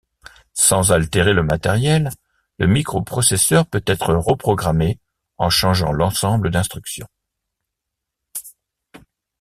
Sans altérer le matériel, le micro-processeur peut être reprogrammé en changeant l'ensemble d'instructions.